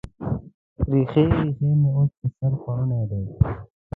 ریښکۍ، ریښکۍ مې اوس، په سر پوړني دی